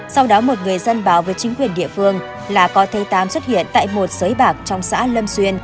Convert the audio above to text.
sau đó một người dân báo với chính quyền địa phương là có thầy tám xuất hiện tại một sới bạc trong xã lâm xuyên